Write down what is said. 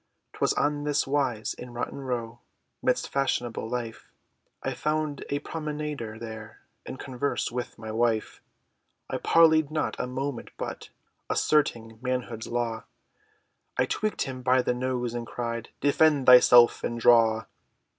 'Twas on this wise, In Rotten Row, Midst fashionable life, I found a promenader there, In converse, with my wife! I parleyed not a moment, but Asserting manhood's law, I tweaked him by the nose, and cried, "Defend thyself and draw!"